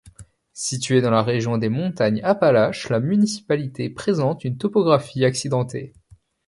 Située dans la région des montagnes Appalaches, la municipalité présente une topographie accidentée.